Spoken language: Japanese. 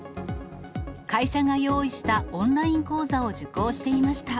会社が用意したオンライン講座を受講していました。